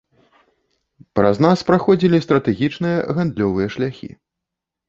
Праз нас праходзілі стратэгічныя гандлёвыя шляхі.